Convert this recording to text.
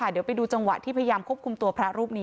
เดี๋ยวไปดูจังหวะที่พยายามควบคุมตัวพระรูปนี้